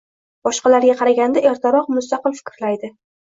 Boshqalarga qaraganda ertaroq mustaqil fikrlaydi.